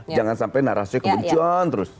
jangan sampai narasinya kebencian terus